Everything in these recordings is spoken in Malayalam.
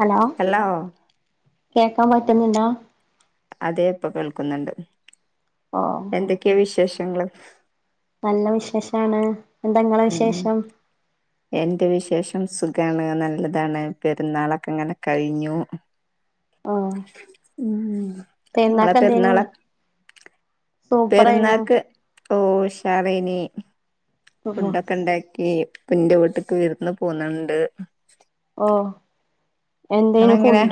ഹലോ ഹലോ കേക്കാൻപറ്റുന്ന്ണ്ടാ അതെ ഇപ്പ കേൾക്ക്ന്ന്ണ്ട് ആഹ് എന്തക്കെയാ വിശേഷങ്ങള് നല്ല വിശേശാണ് എന്താങ്ങളെ ഉം വിശേശം എന്റെ വിശേഷം സുഖാണ് നല്ല്താണ് പെരുന്നാളക്കെങ്ങനെ കഴിഞ്ഞു ഓ ഉം ഉം ങ്ങളെ പെരുന്നാക്ക് എന്തേനു പെരുന്നാള സൂപ്പറേനു പെരുന്നാക്ക് ഓഹ് ഉഷാറേയ്നി ഫുഡൊക്കെണ്ടാക്കി ഇപ്പ്‌ന്റെ വീട്ട്ക്ക് വിരുന്ന് പോന്നുണ്ട് ഓഹ് ങ്ങളെങ്ങനാ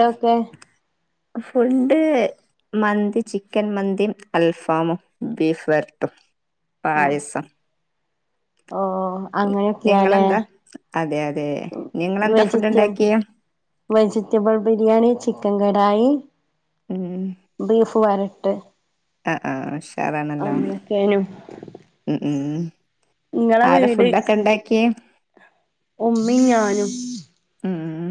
ഫുഡ് മന്തി ചിക്കൻ മന്തീം അൽഫാമും ബീഫ് വരട്ടും ഓ പായസം ഓ അങ്ങനെയൊക്കെയാല്ലേ നിങ്ങളെന്താ അതെ അതെ നിങ്ങളെന്താ ഫുഡ് വെജിറ്റം ഉണ്ടാക്കിയെ വെജിറ്റബിൾ ബിരിയാണി ചിക്കൻ കടായി ഉം ബീഫ് വരട്ട് അ ആ ഹ് ഉഷാറാണല്ലോ അങ്ങനൊക്കേനു ഉം ഉം ഇങ്ങളെ ആരാ വീട് ഫുഡൊക്കെ ഇണ്ടാക്കിയേ ഉമ്മിം ഞാനും ഉം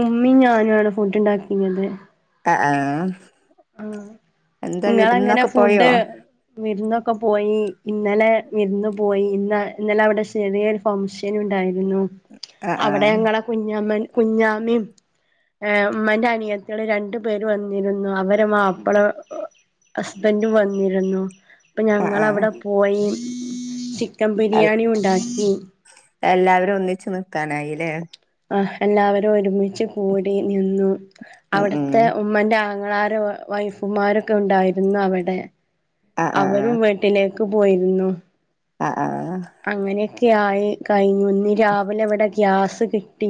ഉമ്മിം ഞാനും ആണ് ഫുഡ് ണ്ടാക്കീ നേത് ആഹ് ആഹ് ആഹ് എന്താ ഇങ്ങളെങ്ങനെ വിരുന്നൊക്കെ പോയോ ഫുഡ് വിരുന്നൊക്കെ പോയി ഇന്നലെ വിരുന്ന് പോയി ഇന്ന ഇന്നലെ അവിടെ ചെറിയെ ഫംഗ്ഷനും ഉണ്ടായിരുന്നു ആഹ് അവിടെ ആഹ് ഞങ്ങളെ കുഞ്ഞമ്മൻ കുഞ്ഞാമി ഉമ്മന്റെ അനിയത്തികള് രണ്ടു പേര് വന്നിരുന്നു അവ രെ മാപ്പിള ഹസ്ബന്റും വന്നിരുന്നു അപ്പൊ ആഹ് ആഹ് ഞങ്ങളവിടെ കോഴി ചിക്കൻ എൽ ബിരിയാണിയുണ്ടാക്കി എല്ലാവരും ഒന്നിച്ച് നിക്കാനായില്ലേ ആഹ് എല്ലാവരും ഒരുമിച്ച് കൂടി നിന്നു ഉം ഉം അവിടത്തെ ഉമ്മന്റെ ആങ്ങളാരും വൈഫുമാരൊക്കെ ഉണ്ടായിരുന്നു അവിടെ ആഹ് അവരും ആഹ് വീട്ടിലേക്ക് പോയിരുന്നു അഹ് അഹ് ആഹ് അങ്ങനെയൊക്കെയായി കഴിഞ്ഞു ഇന്ന് രാവിലെ ഇവിടെ ഗ്യാസ് കിട്ടി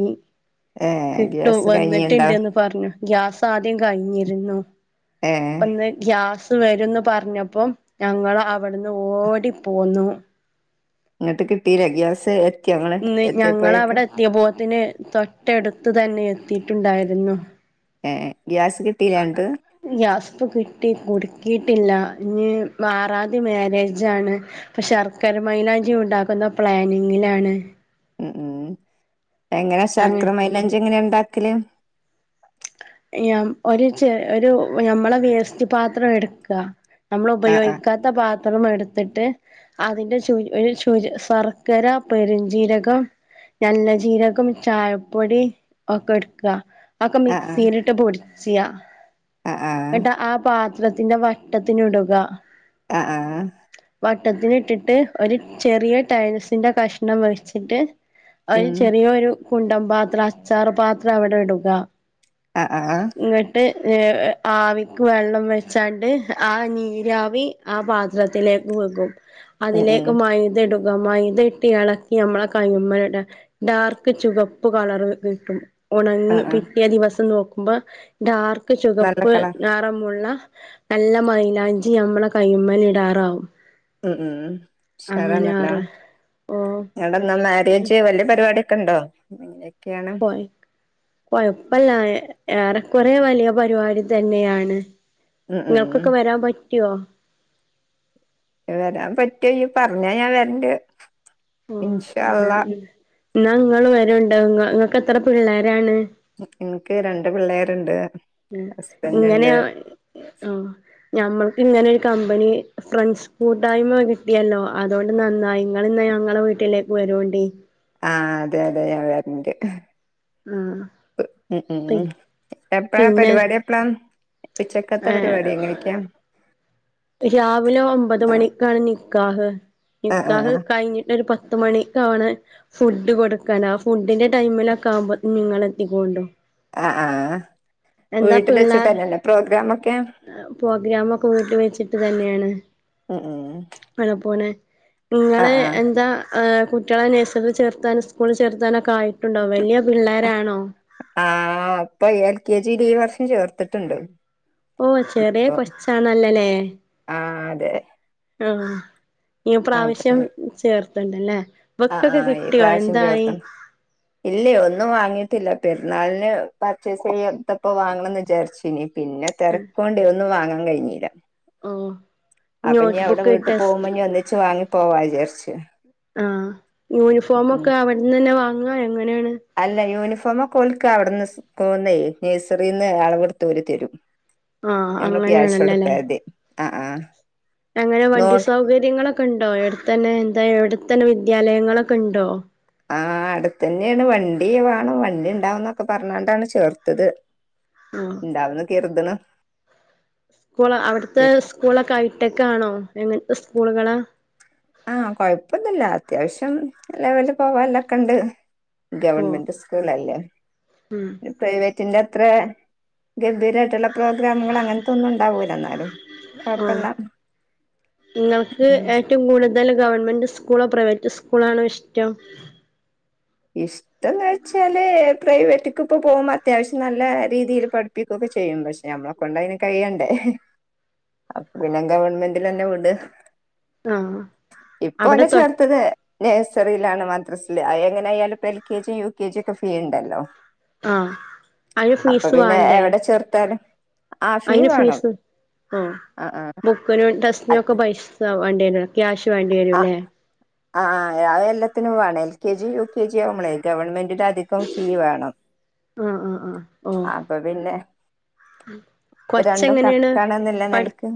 ഏഹ് കിട്ടു ഗ്യാസ് കഴിഞ്ഞിണ്ടോ വന്നിട്ട്ണ്ടെന്ന് പറഞ്ഞു ഗ്യാസ് ആദ്യം കഴിഞ്ഞിരുന്നു ഏഹ് ഇപ്പൊ ഇന്ന് ഗ്യാസ് ഇന്ന് വരൂന്ന് പറഞ്ഞപ്പോ ഞങ്ങൾ അവിടുന്ന് ഓടിപ്പോന്നു ഇന്നിട്ട് കിട്ടീല്ലേ ഗ്യാസ് എത്തി ഇങ്ങള് ഇന്ന് ഞങ്ങളവിടെ എത്തിയപ്പോഴേക്കും എത്തിയപ്പോത്തിന് തൊട്ടടുത്ത് തന്നെ എത്തിയിട്ടുണ്ടായിരുന്നു ഏഹ് എഹ് ഗ്യാസ് കിട്ടിലേ അൻക്ക് ഗ്യാസ്പ്പ കിട്ടി കുടുക്കിയിട്ടില്ല ഇനി ആറാന്തി മാരേജാണ് അപ്പൊ ശർക്കര മൈലാഞ്ചി ഉണ്ടാക്കുന്ന പ്ലാനിംങിലാണ് ഉം ഉം എങ്ങനാ അങ്ങനെ ശർക്കര മൈലാഞ്ചി എങ്ങനെയ ഉണ്ടാക്കല് ഒരു ചെ ഒരു നമ്മളെ വേസ്റ്റ് പാത്രം എട്ക്കാ നമ്മള് ആഹ് ഉപയോഗിക്കാ ത്ത പാത്രം എട്ത്തിട്ട് അതിന്റെ ചൂര് ഒരു ചൂര് ശർക്കര പെരുജീരകം നല്ല ജീരകം ചായപ്പൊടി ഒക്കെ ഇട്ക്കാ അതൊക്കെ ആഹ് ആഹ് മിക്സീലിട്ട് പൊടിച്ചിയാ ആഹ് ഇന്നട്ടാ ആ പാ ത്രത്തിന്റെ വട്ടത്തിന് ഇടുക അഹ് ആഹ് വട്ടത്തിന് ഇട്ടിട്ട് ഒരു ചെറിയ ടയിൽസിന്റെ കഷ്ണം വെച്ചിട്ട് ഒരു ഉം ചെറിയൊരു കുണ്ടംപാത്രം അച്ചാർ പാത്രം അവിടെ ഇടുക അഹ് അഹ് ആഹ് ഇങ്ങട്ട് ആവിക്ക് വെള്ളം വെച്ചാണ്ട് ആ നീരാവി ആ പാത്രത്തിലേക്ക് വെക്കും ഉം ഉം അതിലേക്ക് മൈദ ഇടും മൈദ ഇട്ട് ഇളക്കി നമ്മളെ കയ്മ്മടാ ഡാർക്ക് ചുവപ്പ് കളർ കിട്ടും ഉണങ്ങി ആഹ് ആഹ് പിറ്റേ ദിവസം നോക്കുമ്പോ ഡാർക്ക് നല്ല ചുവപ്പ് കളർ നിറമുള്ള നല്ല മൈലാഞ്ചി ഞമ്മളെ കൈമ്മല് ഇടാറാവും. ഉം ഉം അങ്ങനെ ഉഷാറണല്ലോ ആറ് ഓ ങ്ങട്ടെന്നാ മാരേജ് വല്ലിയ പരിപാടിയൊ ക്കണ്ടോ എന്തൊക്കെയാണ് കുഴപ്പല്ല ഏറെക്കുറെ വലിയ പരിപാടി തന്നെയാണ് ഉം ഉം ങ്ങൾക്കൊക്കെ വരാൻ പറ്റുവോ? വരാൻ പറ്റുവേ ഇയ്യ് പറഞ്ഞാ ഞാൻ വരണ്ട് ഓ ഇൻഷാ ന്നാ അള്ളാ ന്നാ ഇങ്ങള് വരോണ്ട് ഇങ്ങൾക്ക് എത്ര പിള്ളേരാണ്? നിക്ക് രണ്ട് പിള്ളേരുണ്ട് ആ ഹസ്ബൻഡ് ഉണ്ട് ഇങ്ങനെയ [inaudible] ഞമ്മൾക്ക് ഇങ്ങനെ ഒരു കമ്പനി ഫ്രണ്ട്സ് കൂട്ടായ്മ കിട്ടിയല്ലോ അതോണ്ട് നന്നായി ഇങ്ങള് ഇന്ന ഞങ്ങളെ വീട്ടിലേക്ക് വരോണ്ടി. ആഹ് അതെ അതെ വരൻ്റ് ആഹ് ഉ ഉ പി എപ്പഴാ പരിപാടി എപ്പള ഏ രാവിലെ ഒമ്പത് മണി കാണ് നിക്കാഹ് ആഹ് നിക്കാഹ് ആഹ് കഴിഞ്ഞിട്ട് ഒരു പത്ത് മണിക്കാണ് ഫുഡ് കൊടുക്കാന ആ ഫുഡിന്റെ ടൈമിലൊക്കെ ആകുമ്പോൾ നിങ്ങള് എത്തി കോണ്ട് ആഹ് ആ വീട്ടിൽ വെച്ചിട്ട് ല്ലല്ലെ പ്രോഗ്രാം ഒക്കെ പ്രോഗ്രമൊക്കെ വീട്ട് വെച്ചിട്ട് തന്നെയാണ് ഉം ഊ അത് പോലെ ഇങ്ങള് എന്താ? ഹ് കുട്ടികളെ നേഴ്സറി ചേർത്താന് സ്കൂളിൽ ചേർത്താനൊക്കെ ആയിട്ടുണ്ടോ വല്ല്യപിള്ളോരണോ? ആഹ് ഇപ്പൊ എൽ കെ ജില് ഈ വർഷം ചേർത്തിട്ടുണ്ട് ഓ ചെറിയ ഇപ്പൊ കൊച്ചാണല്ലല്ലേ ആഹ് അതെ ആഹ് ഇ ആഹ് പ്രാവശ്യം ചേർത്ത് ണ്ട് ല്ലേ ആഹ് ബുക്കൊക്കെ കിട്ടിയോ എന്തായി ഇല്ല ഒന്നും വാങ്ങിയിട്ടില്ല പെരുന്നാളിന് പർച്ചേസ് യ് ഇടുത്തപ്പോ വാങ്ങണന്ന് വിജാരിച്ചീന് പിന്നെ തെരകൊണ്ട് ഒന്നും വാങ്ങാൻ കഴിഞ്ഞില്ല ഓ അപ്പൊ ഞ്ഞി അവിടെ നോട്ട്ബുക്ക് വീട്ടി ടെസ്റ്റ് പോകുമ്പോ നീ ഒന്നിച്ച് വാങ്ങി പോവാ വിചാരിച്ചു ആഹ് യൂണിഫോമൊക്കെ അവിടെന്നെ വാങ്ങാ എങ്ങനെണ്? അല്ല യൂനിഫോമക്കെ ഓല്ക്ക വിടന്ന് സ്കൂൾന്നെ നഴ്സറിന്ന് അളെ വെടുത്ത് ഓൽ തരും ആ ഞമൾ ക്യാഷ് കൊടുത്ത അങ്ങനെയാണല്ലോല്ലേ മതി ആഹ് ആഹ അങ്ങനെ വണ്ടി സൗകര്യങ്ങളൊക്കെ ഉണ്ടോ എട്ത്തന്നെ എന്താ എവിടെത്തന്നെ വിദ്യാലയങ്ങളൊക്കെ ണ്ടോ? ആ അടുത്തന്നെണ് വണ്ടി വാണം വണ്ടി ഇണ്ടാവുന്നൊക്കെ പറഞ്ഞാണ്ടാണ് ചേർത്തത് [inaudible] ഉം ഇണ്ടാവുന്ന് കരുത് ണ് സ്കൂൾ അവിടുത്തെ സ്കൂളക്കെ ഐട്ടക്കാണോ എങ്ങനത്തെ സ്കൂളുകളാ? ആഹ് കൊഴപ്പൊന്നുല്ല അത്യാവശ്യം ലെവല് പോവല്ലൊക്കെ ണ്ട്. ഓ ഗവൺമെന്റ് സ്കൂളല്ലേ ഉം പ്രൈവറ്റിന്റെ അത്ര ഗംഭീരമായിട്ടുള്ള പ്രോഗ്രാമുകൾ അങ്ങനത്തെ ഒന്നും ഉണ്ടാവൂല്ല ന്നാലും ആഹ് ങ്ങൾക്ക് ഏറ്റവും കൂടുതൽ ഗവൺമെന്റ് സ്കൂളോ പ്രൈവറ്റ് സ്കൂളാണോ ഇഷ്ടം? ഇഷ് - ന്ന് വെച്ചാല് പ്രൈവറ്റ് ക്ക് ഇപ്പ പോകുമ്പോ അത്യാവശ്യം നല്ല രീതിയിൽ പഠിപ്പിക്കു ഒക്കെ ചെയ്യും പക്ഷെ നമ്മ- കൊണ്ടതിന് കഴിയണ്ടേഅപ്പൊ പിന്നെ ഗവൺമെന്റിലെന്നെ വിട ആഹ് ഇപ്പ അവിടെ ഓനെ തൊ ചേർത്തത് നഴ്സറിയിലാണ് മദ്രസില് അയ എങ്ങനെ ആയാലും ഇപ്പ L K G U K G ഒക്കെ ഫീ ഉണ്ടല്ലോ ആഹ് അയിന് ഫീസ് വാണ്ടേ ചേർത്താല് അയിന് ഫീസ് ആഹ് ആ ആ ബു ക്കിനും ടെസ്റ്റിനൊക്കെ പൈസ. വാണ്ടേന് ക്യാഷ് വാണ്ടി വരും ആ ഇല്ലേ ആഹ് -ആഹ് അത് എല്ലത്തിനും വേണം L K G U K G ആവുമ്പളെ ഗവൺമെന്റിന് അധികം ഫീ വേണം ആഹ്- ആഹ് -ആഹ് ഓ അപ്പ പിന്നെ രണ്ടും കൊച്ചെങ്ങനെയാണ് കക്കണന്നില്ല പഠി നിലക്ക്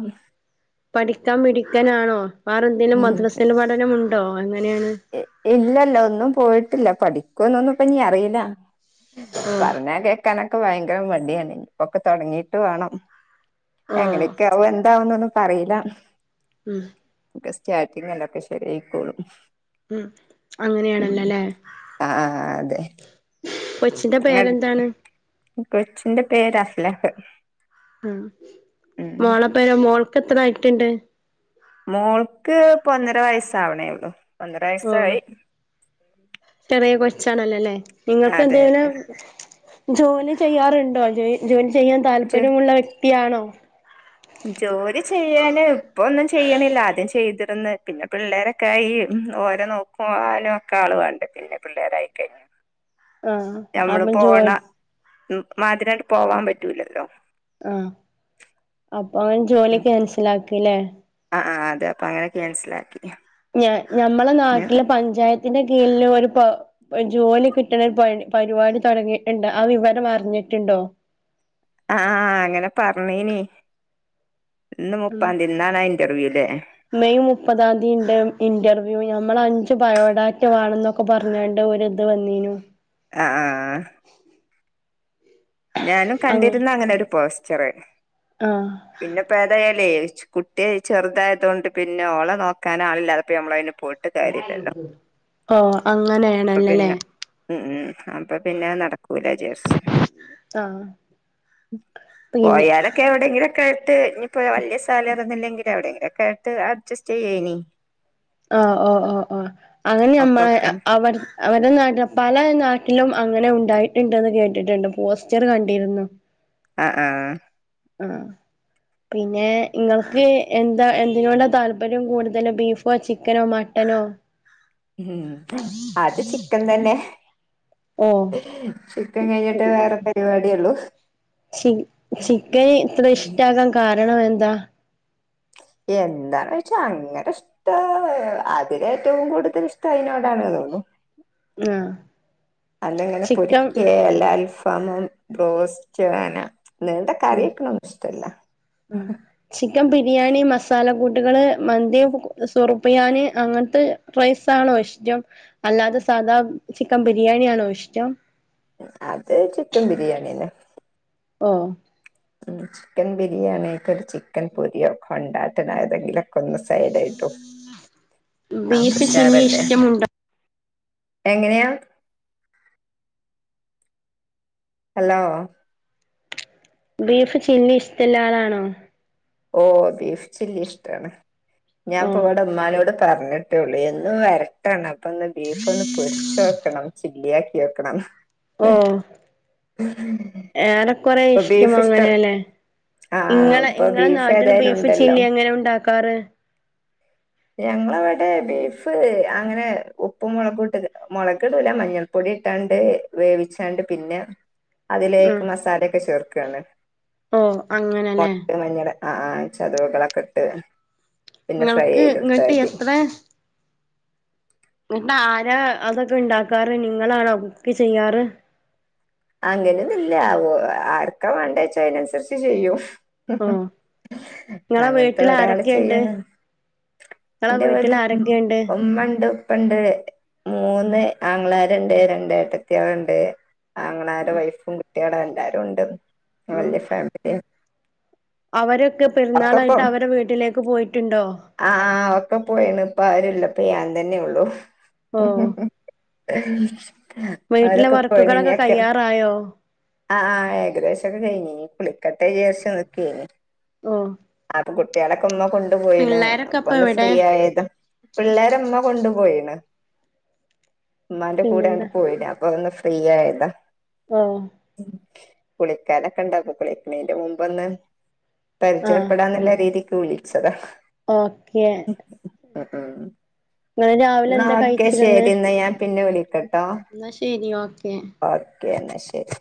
പഠിക്കാൻ മിടിക്കനാണോ വേറെ എന്തേലും മദ്രസൽ പഠനം ഉണ്ടോ എങ്ങനെണ് ഏഹ് ഇല്ലല്ല ഒന്നും പോയിട്ടില്ല പഠിക്കോന്നൊന്നും ഇപ്പ ഇനി അറിയില്ല ഓ പറഞ്ഞാ കേക്കാനൊക്കെ ഭയങ്കര മടിയാണ് ഇപ്പൊക്കെ തൊടങ്ങീട്ട് വേണം ഓ എങ്ങനെയെക്കാവോ എന്താവോന്നൊന്നും ഇപ്പറയില്ല ഉം ഒക്കെ സ്റ്റാറ്റിങ്ങല്ലെ അപ്പൊ ശരിയായിക്കോളും ഉം ഉം അങ്ങനെയാണല്ലോല്ലേ ആഹ് അതെ കൊച്ചിന്റെ പേരെന്താണ് [unintelligible] കൊച്ചിന്റെ പേര് അസ്ലഹ് ഉം മോളപ്പോ മോൾക്ക് എത്ര ആയിട്ടുണ്ട് മോൾക്ക് ഇപ്പൊ ഒന്നര വയസാവണേ ഉള്ളു ഒന്നര ഓ വയസ്സായി ചെറിയ കൊച്ചാണല്ലോല്ലേ നിങ്ങക്ക് അതെ എന്തേലും ജോലി ചെയ്യാറുണ്ടോ ജോയി ജോയിൻ ചെയ്യാൻ അതെ താല്പര്യമുള്ള വ്യക്തിയാണോ ജോലി ചെയ്യാന് ഇപ്പൊ ഒന്നും ചെയ്യണില്ല ആദ്യം ചെയ്തിരുന്ന് പിന്നെ പിള്ളേരെ ക്കായി ഓരെ നോക്കും ആല് വെക്കാൻ ആള് വേണ്ടേ പിന്നെ പിള്ളേരായിക്കഴിഞ്ഞാ ആ നമ്മള് അപ്പം പോണ ജോലി മാതിരായിട്ട് പോവാൻ പറ്റൂലല്ലോ ആഹ് അപ്പൊ ആ ജോലി ക്യാൻസൽ ആക്കിയില്ലേ ആഹ് ആഹ് അതെ അപ്പൊ അങ്ങനെ ക്യാൻസലാക്കി ഞ ഞമ്മളെ നാട്ടിലെ ആ പഞ്ചായത്തിന്റെ കീഴില് ഒരു പ ജോലി കിട്ടണ പ പരിപാടി തൊടങ്ങിയിട്ടുണ്ട് ആഹ് വിവരം അറിഞ്ഞിട്ടുണ്ടോ ആഹ് അങ്ങനെ പറഞ്ഞേന് ഇന്ന് ഉം മുപ്പാംതീ ഇന്നാണ് ആഹ് ഇന്റർവ്യൂല്ലേ മെയ് മുപ്പതാം തീയിണ്ട് ഇന്റർവ്യൂ ഞമ്മള് അഞ്ച് ബയോഡാറ്റ വേണോന്നൊ ക്കെ പറഞ്ഞാണ്ട് ഒരിത് വന്നീനു ആഹ് ഞാനും അങ്ങ് കണ്ടിരുന്ന് അങ്ങനെ ഒരു പോസ്റ്ററ് ആഹ് പിന്നിപ്പം ഏതായാലേ കുട്ടിയെ ചെറുതായതുകൊണ്ട് പിന്നെ ഓളെ നോക്കാൻ ആളില്ലാതിപ്പോ ഞമ്മളതിന് പോയി ഓ അപ്പൊ അങ്ങനെയാണല്ലോല്ലേ പിന്നെ ഉം ഉം അപ്പൊ പിന്നെ അത് നടക്കൂല വിചാരിച്ച് ആഹ് പിന്നെ പോയാലൊക്കെ എവിടെയങ്കിലൊക്കെ ആയിട്ട് ഇനിയിപ്പോ വലിയ സാനം കീട്ടുന്നില്ലെങ്കില് എവിടേലൊക്കെയായിട്ട് അഡ്ജസ്റ്റ് ചെയ്യാം ഇനി ആഹ് ഓ ഓ ഓ അങ്ങനെ ഞമ്മള് ഒക്കൊക്കെ അവൻ അവർടെ നാട്ടില് പല നാട്ടിലും അങ്ങനെ ഉണ്ടായിട്ടുണ്ടെന്ന് കേട്ടിട്ടുണ്ട് പോസ്റ്റർ കണ്ടിരുന്നു അഹ് ആഹ് ആഹ് പിന്നെ നിങ്ങൾക്ക് എന്താ എന്തിനോടാ താല്പര്യം കൂടുതലും ബീഫോ ചിക്കനോ മട്ടനോ ഉം അത് ചിക്കൻ തന്നെ ഓ ചിക്കൻ കഴിഞ്ഞിട്ടേ വേറെ പരിപാടിയുള്ളൂ ചി ചിക്കന് ഇത്ര ഇഷ്ടാകാൻ കാരണം എന്താ എന്താന്നോച്ചാ അങ്ങനെ ആഹ് അതില് ഏറ്റവും കൂടുതൽ ഇഷ്ടം അതിനോടാണ് എന്നുള്ളു ആഹ് അതിങ്ങനെ ചിക്കൻ പൊരിക്കയേ എല്ലാ അൽഫാമ് ബ്രോസ്റ്റ് അങ്ങനെ നീണ്ട ഉം കറിവെക്കണതൊന്നും ഇഷ്ടല്ല ഉം ചിക്കൻ ബിരിയാണി മസാല കൂട്ടുകള് മന്തി സുറുബിയാന് അങ്ങനത്തെ റൈസാണോ ഇഷ്ടം അല്ലാതെ സാദാ ചിക്കൻ ബിരിയാണിയാണോ ഇഷ്ടം അത് ചിക്കൻ ബിരിയാണിന്നെ ഓ ഉം ചിക്കൻ ബിരിയാണി ഒക്കെ ഒരു ചിക്കൻ പൊരിയൊക്കെ കൊണ്ടാട്ടൻ ഏതെങ്കിലും ഒ ന്ന് സൈഡായിട്ടും ആഹ് ബീഫ് ചില്ലി അപ്പുഷാറല്ലേ ഇഷ്ടമുണ്ടോ എങ്ങനെയാ ഹലോ ബീഫ് ചില്ലി ഇഷ്ടൊല്ല ആളാണോ ഓ ബീഫ് ചില്ലി ഇഷ്ടാണ് ഓ ഞാൻപ്പൊ ഇവിടെ ഉമ്മാനോട് പറഞ്ഞിട്ടേള്ളൂ എന്നും വരട്ടണ് അപ്പൊ ഇന്ന് ബീഫ് ഒന്ന് പൊരിച്ച് നോക്കണം ചില്ലിയാക്കി വെക്കണം ഉം ഏറെക്കുറെ ഇപ്പൊ ഇഷ്ടം ബീഫ് അങ്ങനെയല്ലേ ആഹ് ഇങ്ങളെ ഇപ്പൊ ഇങ്ങളെ ബീഫ് നാട്ടില് ഏതായാലും ബീഫ് ഉണ്ടല്ലോ ചില്ലി എങ്ങനെ ഉണ്ടാക്കാറ് [unintelligible] ഞങ്ങളവിടെ ബീഫ് അങ്ങനെ ഉപ്പ് മുളകും ഇട്ട് മുളക് ഇടൂല മഞ്ഞൾ പൊടി ഇട്ടാണ്ട് വേവിച്ചാണ്ട് പിന്നെ അതിലേക്ക് ആഹ് മസാല വെക്കാണ് ഓഹ് മൊട്ട അങ്ങനെല്ലേ ഒന്നിങ്ങനെ ആഹ് ചതവുകളൊക്കെ ഇട്ട് പിന്നെ ഫ്രൈ ഇങ്ങൾക്ക് ഇങ്ങട്ട് ചെയ്തെടുത്താമതി എത്ര എന്നിട്ട് ആരാ അതൊക്കെ ഉണ്ടാക്കാറ് നിങ്ങളാണോ കുക്ക് ചെയ്യാറ് അങ്ങനെയൊന്നില്ല ആർക്കാ വേണ്ടേച്ചാ അതിനനുസരിച്ച് ചെയ്യും ആഹ് ഇങ്ങളെ അങ്ങനത്തെ വീട്ടില് ഒരാള് ആരൊക്കെണ്ട് ചെയ്യുന്നു ഇങ്ങളെ എന്റെ വീട്ടില് വീട്ടിൽ ആരൊക്കെണ്ട് ഉമ്മ ഉണ്ട് ഉപ്പണ്ട് മൂന്ന് ആങ്ങളമാര് ഒണ്ട് രണ്ട് ഏട്ടത്തിയാരുണ്ട് ആങ്ങളമാരുടെ വൈഫും കുട്ടികളും എല്ലാരും ഉണ്ട് ആഹ് വല്യ ഫാമിലിയാ അവരൊക്കെ പെരുന്നാളായിട്ട് അവരുടെ വീട്ടിലേക്ക് പോയിട്ടുണ്ടോ ആഹ് ഒക്കെ പോയേണ് ഇപ്പൊ ആരൂല ഞാൻ തന്നെയുള്ളു ഓഹ് ആഹ് വീട്ടിലെ അവരൊക്കെ പോയിന് വർക്കുകളൊക്കെ ഒക്കെ കയ്യാറായോ ആഹ് ആഹ് ഏകദേശം ഒക്കെ കഴിഞ്ഞ് കുളിക്കട്ടെ വീചാരിച്ച് നിക്കയാനി ഓ അപ്പൊ കുട്ടികളൊക്കെ ഉമ്മ കൊണ്ടു പോയിണ് പിള്ളേരൊക്കെ അപ്പൊ ഇപ്പ ഒന്ന് എവിടെ ഫ്രീ ആയത് പിള്ളേരെ ഉമ്മ കൊണ്ടു പോയിണ് ഉമ്മാന്റെ കൂടെ ആങ്ങട്ട് പിന്നെന്താ പോയിന് ഇപ്പൊ ഒന്ന് ഫ്രീ ആയതാ ആഹ് കുളിക്കാനൊക്കെ ഇണ്ടാക്കണ്ടെ ഇയിന്റെ മുമ്പീന്ന് പരിചയപ്പെടാൻന്നുളള രീതിക്ക് വിളിച്ചതാ ഓക്കേ ആഹ് ആഹ് രാവിലെ എന്നാ എന്താ ഓക്കെ ശെരി എന്നാ ഞാൻ പിന്നെ വിളിക്കാട്ടോ എന്നാ ശെരി ഓക്കെ ഓക്കെ എന്നാ ശെരി